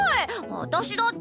私だって。